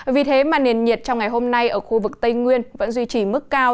vì thế mà nền nhiệt trong ngày hôm nay ở khu vực tây nguyên vẫn duy trì mức cao